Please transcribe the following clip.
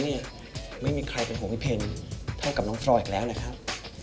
วันนี้เนี่ยไม่มีใครเป็นห่วงพี่เพ็ญเท่ากับน้องฟรอยก็แล้วนะครับ